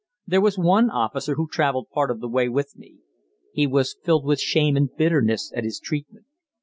There was one officer who traveled part of the way with me. He was filled with shame and bitterness at his treatment.